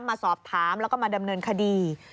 มาสอบถามแล้วก็มาดำเนินคดี